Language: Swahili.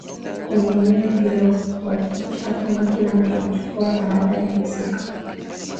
kwenye eneo hilo huakikisha kwamba kila mtu anachukua tahadhari husika